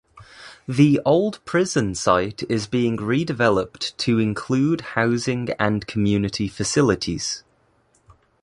The old prison site is being redeveloped to include housing and community facilities.